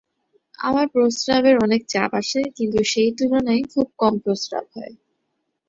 আমার প্রস্রাবের অনেক চাপ আসে কিন্তু সেই তুলনায় খুব কম প্রস্রাব হয়।